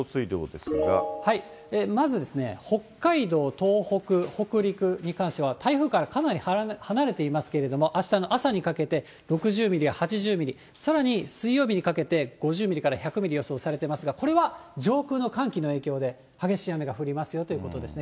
まず、北海道、東北、北陸に関しては、台風からかなり離れていますけれども、あしたの朝にかけて、６０ミリや８０ミリ、さらに水曜日にかけて、５０ミリから１００ミリ予想されてますが、これは上空の寒気の影響で、激しい雨が降りますよということです。